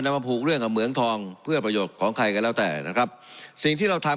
มาผูกเรื่องกับเหมืองทองเพื่อประโยชน์ของใครก็แล้วแต่นะครับสิ่งที่เราทำ